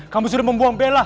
kamu sudah membuang bela